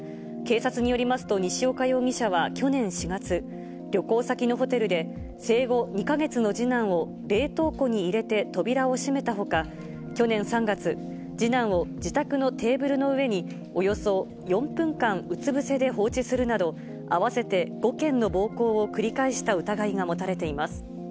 警察によりますと、西岡容疑者は去年４月、旅行先のホテルで、生後２か月の次男を冷凍庫に入れて扉を閉めたほか、去年３月、次男を自宅のテーブルの上におよそ４分間、うつ伏せで放置するなど、合わせて５件の暴行を繰り返した疑いが持たれています。